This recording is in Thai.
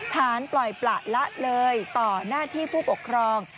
ฐานปล่อยประละเลยต่อหน้าที่ผู้ปกครอง